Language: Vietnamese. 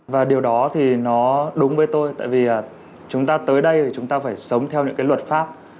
và điều đó thì nó đúng với tôi tại vì chúng ta tới đây chúng ta phải sống theo những cái luật pháp